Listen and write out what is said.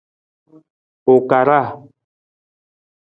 U karaa.